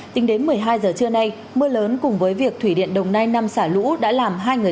tính đến một mươi hai giờ trưa nay mưa lớn cùng với việc thủy điện đồng nai năm xả lũ đã làm hai người